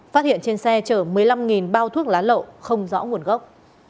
phát hiện trên xe chở một mươi năm bao thuốc lá lậu không rõ nguồn gốc